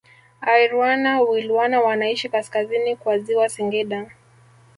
Airwana Wilwana wanaishi kaskazini kwa ziwa Singida